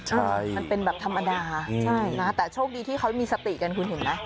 ใช่มันเป็นแบบธรรมดาใช่นะแต่โชคดีที่เขามีสติกันคุณเห็นไหม